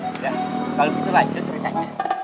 sudah kalau gitu lanjut ceritanya